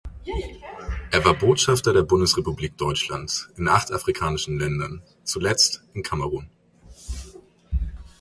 Er war Botschafter der Bundesrepublik Deutschland in acht afrikanischen Ländern, zuletzt in Kamerun.